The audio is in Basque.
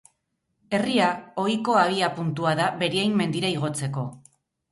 Herria ohiko abiapuntua da Beriain mendira igotzeko.